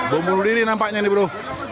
bom bunuh diri nampaknya ini bro